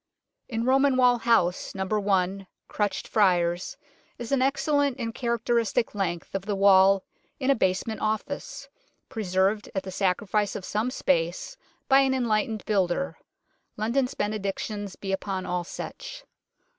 In Roman Wall House, No. i Crutched Friars, is an excellent and characteristic length of the wall in a basement office, preserved at the sacrifice of some space by an enlightened builder (London's benedictions be upon all such).